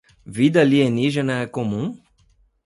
Vida alienígena é comum?